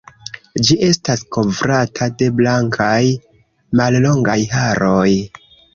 Ĝi estas kovrata de blankaj, mallongaj haroj.